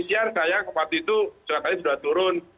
pcr saya waktu itu surat tadi sudah turun